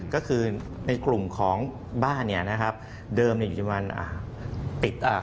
ก็คือในกลุ่มของบ้านเดิมอยู่ที่บ้าน